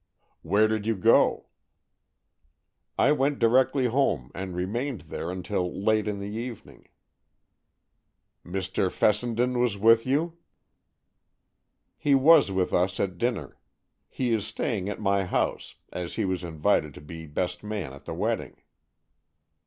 "Where did you go?" "I went directly home and remained there until late in the evening." "Mr. Fessenden was with you?" "He was with us at dinner. He is staying at my house, as he was invited to be best man at the wedding."